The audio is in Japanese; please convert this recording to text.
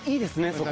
そこ。